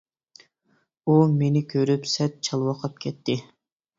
ئۇ مېنى كۆرۈپ سەت چالۋاقاپ كەتتى.